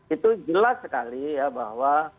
itu jelas sekali ya bahwa